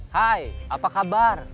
hai apa kabar